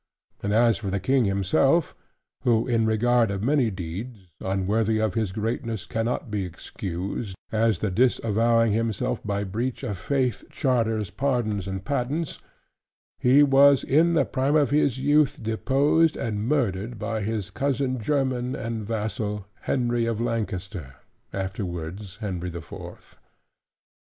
And as for the King himself (who in regard of many deeds, unworthy of his greatness, cannot be excused, as the disavowing himself by breach of faith, charters, pardons, and patents): he was in the prime of his youth deposed, and murdered by his cousin german and vassal, Henry of Lancaster, afterwards Henry the Fourth.